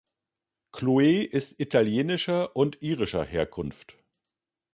Chloe ist italienischer und irischer Herkunft.